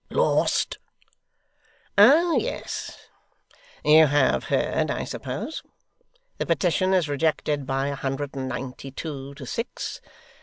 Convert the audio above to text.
'Lost!' 'Oh yes. You have heard, I suppose? The petition is rejected by a hundred and ninety two, to six.